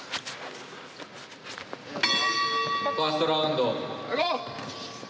「ファーストラウンド」。